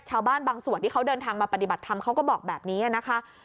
ชาวบ้านบางส่วนที่เขาเดินทางมาปฏิบัติธรรมเขาก็บอกแบบนี้นะคะ